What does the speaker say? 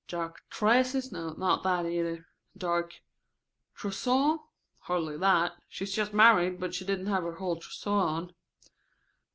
Dark tresses? Not that, either. Dark trousseau? Hardly that. She's just married, but she didn't have her whole trousseau on.